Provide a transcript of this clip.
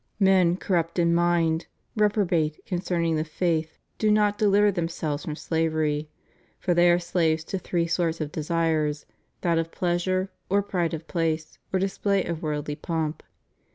"Men cor rupt in mind, reprobate concerning the Faith, do not deliver themselves from slavery ... for they are slaves to three sorts of desire, that of pleasure, or pride of place, or display of worldly pomp."